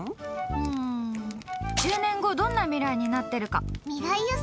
うーん１０年後どんな未来になってるか！